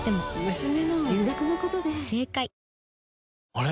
あれ？